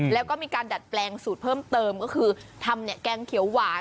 แล้วก็มีการดัดแปลงสูตรเพิ่มเติมก็คือทำแกงเขียวหวาน